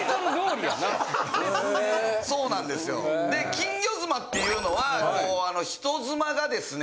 『金魚妻』っていうのは人妻がですね